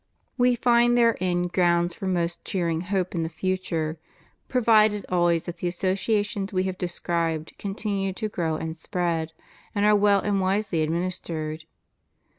We find therein grounds for most cheering hope in the future, provided always that the associations We have described continue to grow and spread, and are well and wisely administered.